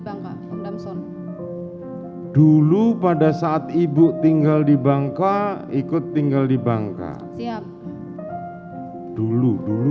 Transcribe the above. bangka om damson dulu pada saat ibu tinggal di bangka ikut tinggal di bangka siap dulu dulu